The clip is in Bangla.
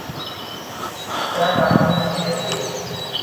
চা কার জন্যে নিয়ে যাচ্ছিস?